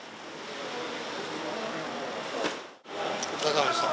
お疲れさまでした。